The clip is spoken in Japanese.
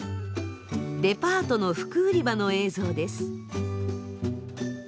デパートの服売り場の映像です。